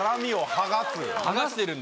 剥がしてるんだ。